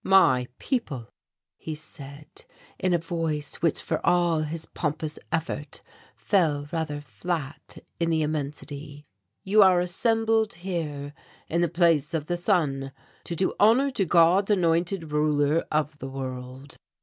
"My people," he said, in a voice which for all his pompous effort, fell rather flat in the immensity, "you are assembled here in the Place of the Sun to do honour to God's anointed ruler of the world."